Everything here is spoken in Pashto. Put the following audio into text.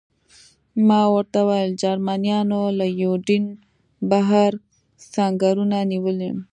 ما ورته وویل: جرمنیانو له یوډین بهر سنګرونه نیولي.